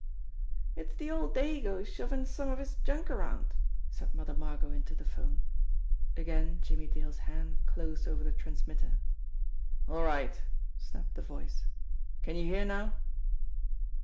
"It's de old dago shovin' some of his junk around," said Mother Margot into the phone. Again Jimmie Dale's hand closed over the transmitter. "All right !" snapped the voice. "Can you hear now